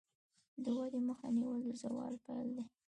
د ودې مخه نیول د زوال پیل دی.